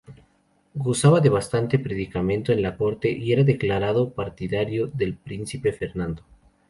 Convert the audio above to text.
Gozaba de bastante predicamento en la corte y era declarado partidario del príncipe Fernando.